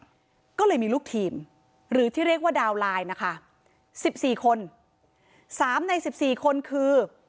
ก็เลยมีลูกทีมหรือที่เรียกว่าดาวน์ไลน์นะคะสิบสี่คนสามในสิบสี่คนคือ